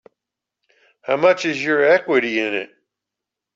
How much is your equity in it?